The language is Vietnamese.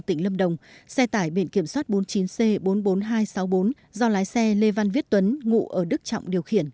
tỉnh lâm đồng xe tải biển kiểm soát bốn mươi chín c bốn mươi bốn nghìn hai trăm sáu mươi bốn do lái xe lê văn viết tuấn ngụ ở đức trọng điều khiển